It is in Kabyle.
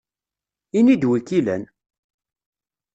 Ini-d wi k-ilan!